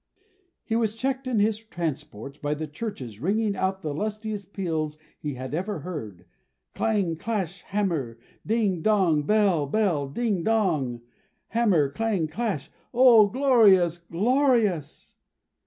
He was checked in his transports by the churches ringing out the lustiest peals he had ever heard. Clang, clash, hammer; ding, dong, bell. Bell, dong, ding; hammer, clang, clash! O, glorious, glorious!